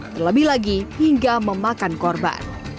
terlebih lagi hingga memakan korban